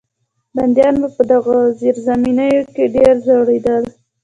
بندیان به په دغو زیرزمینیو کې ډېر ځورېدل.